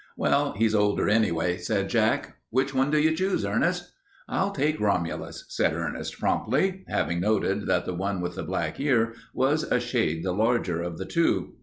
"Well, he's older, anyway," said Jack. "Which one do you choose, Ernest?" "I'll take Romulus," said Ernest promptly, having noted that the one with the black ear was a shade the larger of the two.